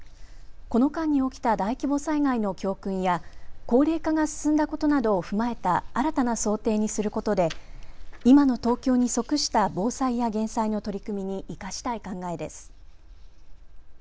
この間に起きた大規模災害の教訓や高齢化が進んだことなどを踏まえた新たな想定にすることで今の東京に即した防災や減災の取り組みに生かしたい考えです。